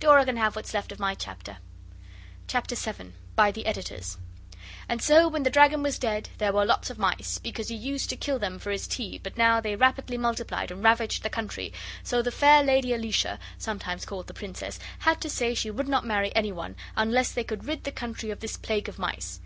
Dora can have what's left of my chapter. CHAPTER VII by the Editors And so when the dragon was dead there were lots of mice, because he used to kill them for his tea but now they rapidly multiplied and ravaged the country, so the fair lady Alicia, sometimes called the Princess, had to say she would not marry any one unless they could rid the country of this plague of mice.